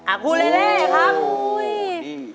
อากูเลเลครับ